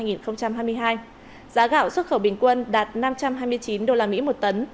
giá gạo xuất khẩu bình quân đạt năm trăm hai mươi chín usd một tấn